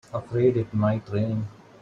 Afraid it might rain?